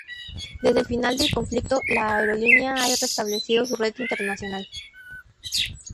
Desde el final del conflicto, la aerolínea ha restablecido su red internacional.